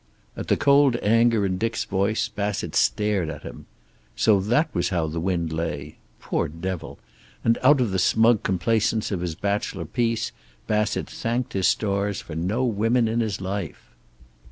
At the cold anger in Dick's voice Bassett stared at him. So that was how the wind lay. Poor devil! And out of the smug complacence of his bachelor peace Bassett thanked his stars for no women in his life.